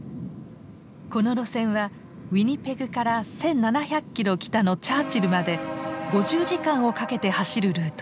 この路線はウィニペグから１，７００キロ北のチャーチルまで５０時間をかけて走るルート。